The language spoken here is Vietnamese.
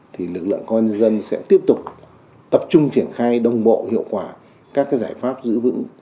thì lực lượng công an nhân dân sẽ tiếp tục tập trung triển khai đồng bộ hiệu quả các giải pháp giữ vững